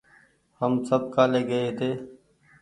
هم سب ڪآلي گئي هيتي